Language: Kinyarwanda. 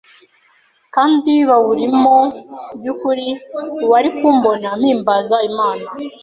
kandi bawurimomu byukuri uwari kumbona mpimbaza Imana